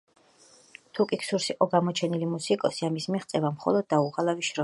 თუკი გსურს იყო გამოჩენილი მუსიკოსი ამის მიღწევა მხოლოდ დაუღალავი შრომითაა შესაძლებელი.